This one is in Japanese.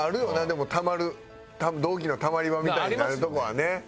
でもたまる同期のたまり場みたいになるとこはね。